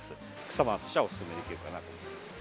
草花としてはおすすめできるかなと思います。